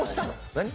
何？